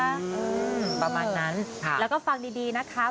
อืมประมาณนั้นค่ะแล้วก็ฟังดีดีนะคะ